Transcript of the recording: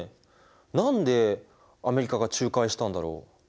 何でアメリカが仲介したんだろう。